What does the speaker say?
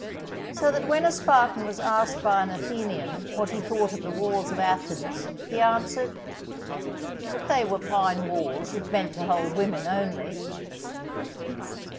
So that when a Spartan was asked by an Athenian what he thought of the walls of Athens, he answered "that they were fine walls if meant to hold women only."